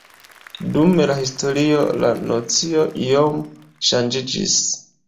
Dum la historio la nocio iom ŝanĝiĝis.